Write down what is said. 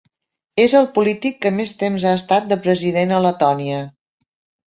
És el polític que més temps ha estat de president a Letònia.